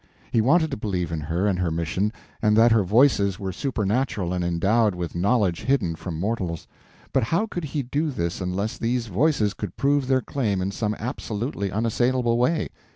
He wanted to believe in her and her mission, and that her Voices were supernatural and endowed with knowledge hidden from mortals, but how could he do this unless these Voices could prove their claim in some absolutely unassailable way?